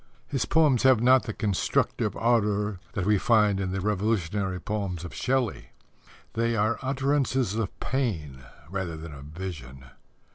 His poems have not the constructive ardour that we find in the revolutionary poems of Shelley. They are utterances of pain rather than of vision.